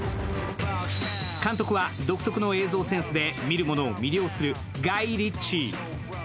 監督は独特の映像センスで見る者を魅了するガイ・リッチー。